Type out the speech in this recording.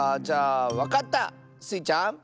じゃあわかった！スイちゃん。